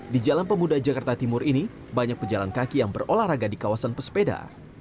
di jalan pemuda jakarta timur ini banyak pejalan kaki yang berolahraga di kawasan pesepeda